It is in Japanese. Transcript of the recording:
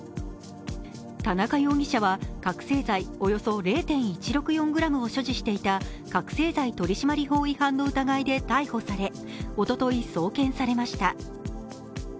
田中容疑者は、覚醒剤およそ０．１６４ｇを所持していた覚醒剤取締法違反の疑いで逮捕され、おととい送検されました。